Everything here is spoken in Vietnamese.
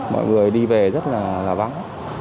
mọi người đi về rất là vắng